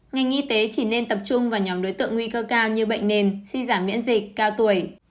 ngành y tế chỉ nên tập trung vào nhóm đối tượng nguy cơ cao như bệnh nền suy giảm miễn dịch cao tuổi